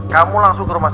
kamu seperti rumah khas